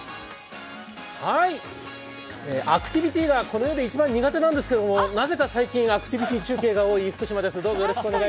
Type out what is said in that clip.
アクティビティーがこの世で一番苦手なんですけど、なぜか最近アクティビティー中継が多いです。